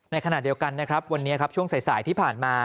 ในขณะเดียวกันนะครับวันนี้ครับช่วงสายที่ผ่านมา